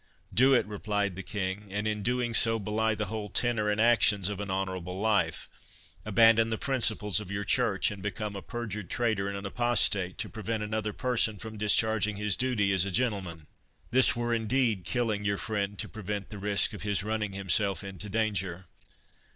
"Do it," replied the King, "and in doing so belie the whole tenor and actions of an honourable life—abandon the principles of your Church, and become a perjured traitor and an apostate, to prevent another person from discharging his duty as a gentleman! This were indeed killing your friend to prevent the risk of his running himself into danger.